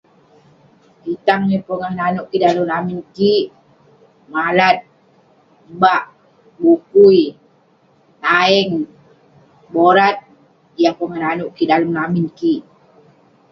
Kitang eh pongah nanouk kik dalem lamin kik ; malat, bak, bukui, taeng, borat. Yah pongah nanouk kik dalem lamin kik.